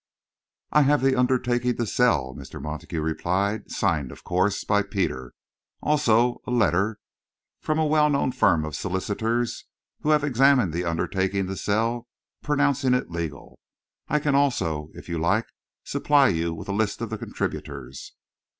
"I have the undertaking to sell," Mr. Montague replied, "signed, of course, by Peter. Also a letter from a well known firm of solicitors, who have examined the undertaking to sell, pronouncing it legal. I can also, if you like, supply you with a list of the contributors."